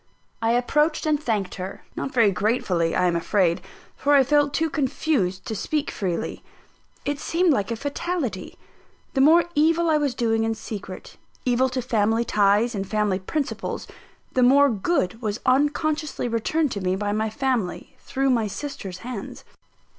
I approached and thanked her; not very gratefully, I am afraid, for I felt too confused to speak freely. It seemed like a fatality. The more evil I was doing in secret, evil to family ties and family principles, the more good was unconsciously returned to me by my family, through my sister's hands.